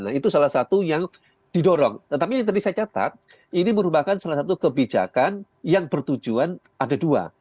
nah itu salah satu yang didorong tetapi yang tadi saya catat ini merupakan salah satu kebijakan yang bertujuan ada dua